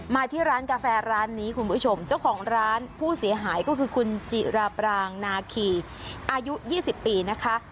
มาที่ร้านกาแฟร้านนี้คุณผู้ชมเจ้าของร้านผู้เสียหายก็คือคุณจิราปรางนาคีอายุ๒๐ปีนะคะ